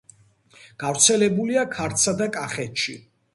გავრცელებულია ქართლსა და კახეთში.